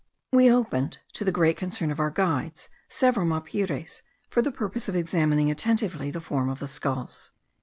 We opened, to the great concern of our guides, several mapires, for the purpose of examining attentively the form of the skulls.